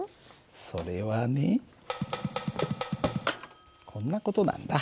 それはねこんな事なんだ。